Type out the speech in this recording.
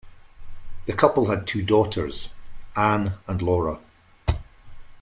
The couple had two daughters, Anne and Laura.